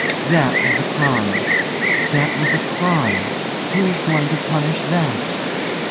That was a crime! That was a crime! Who's going to punish that?